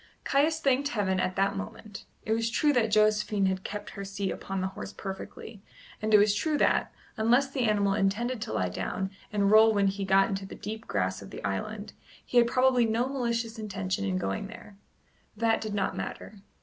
Caius thanked Heaven at that moment It was true that Josephine kept her seat upon the horse perfectly, and it was true that, unless the animal intended to lie down and roll when he got into the deep grass of the island, he had probably no malicious intention in going there. That did not matter.